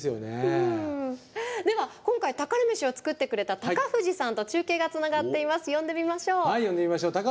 今回宝メシを作ってくれた高藤さんと中継がつながっています。